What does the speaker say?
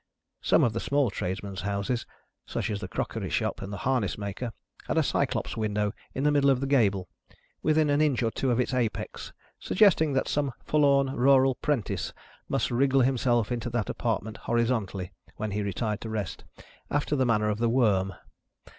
Some of the small tradesmen's houses, such as the crockery shop and the harness maker, had a Cyclops window in the middle of the gable, within an inch or two of its apex, suggesting that some forlorn rural Prentice must wriggle himself into that apartment horizontally, when he retired to rest, after the manner of the worm.